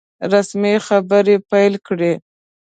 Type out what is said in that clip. رسمي خبري پیل کړې.